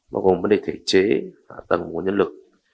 bao gồm vấn đề thể chế và tầng của nhân lực